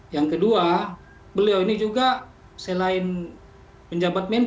yang kedua beliau ini juga selain menjabat